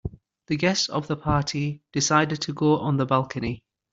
The guests of the party decided to go on the balcony.